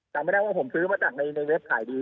จำไม่ได้ว่าผมซื้อมาจากในเว็บขายดี